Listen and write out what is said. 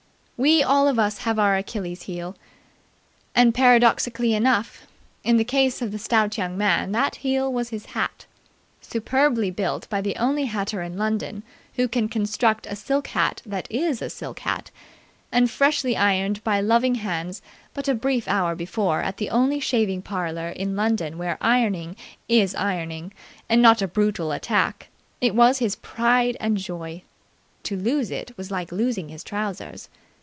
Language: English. We all of us have our Achilles heel, and paradoxically enough in the case of the stout young man that heel was his hat. Superbly built by the only hatter in London who can construct a silk hat that is a silk hat, and freshly ironed by loving hands but a brief hour before at the only shaving parlour in London where ironing is ironing and not a brutal attack, it was his pride and joy. To lose it was like losing his trousers.